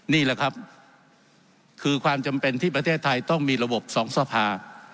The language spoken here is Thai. นี่แหละครับคือความจำเป็นที่ประเทศไทยต้องมีระบบสองสภา